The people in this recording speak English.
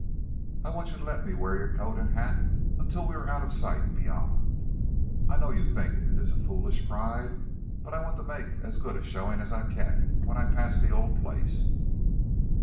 I want you to let me wear your coat and hat until we are out of sight beyond. I know you think it a foolish pride, but I want to make as good a showing as I can when I pass the old place."